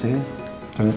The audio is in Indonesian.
sering sering ya mas